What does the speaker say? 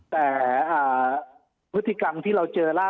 แต่ธุรกิจการณ์ที่เราเจอล่าสุดเนี่ย